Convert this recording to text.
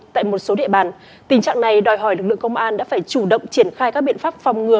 tại một số địa bàn tình trạng này đòi hỏi lực lượng công an đã phải chủ động triển khai các biện pháp phòng ngừa